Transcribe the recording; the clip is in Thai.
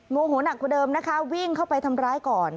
โมโหนักกว่าเดิมนะคะวิ่งเข้าไปทำร้ายก่อน